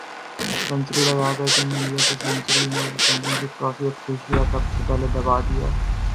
century لگا کر team India سے چھینی تھی چمپئنز ٹرافی ، اب ایشیا کپ سے پہلے دیا بڑا بیان